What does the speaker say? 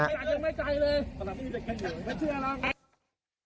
รอบแรกเป็นคนละชุด